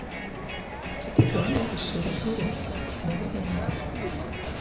Mfite gahunda yo gusura guru mubuhinde.